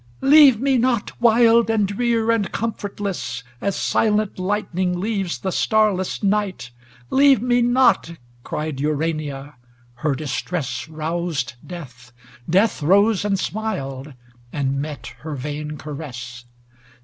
* Leave me not wild and drear and com' fortless, As silent lightning leaves the starless night ! Leave me not !' cried Urania; her dis tress Roused Death ; Death rose and smiled, and met her vain caress.